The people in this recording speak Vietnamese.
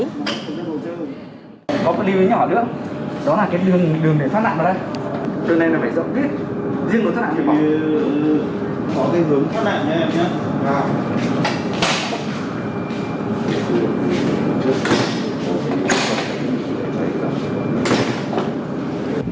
riêng của thất lạc thì bỏ cái hướng thất lạc nhé em nhé